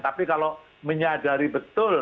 tapi kalau menyadari betul